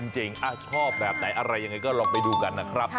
ชอบแบบไหนอะไรยังไงก็ลองไปดูกันนะครับ